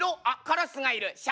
あっカラスがいる。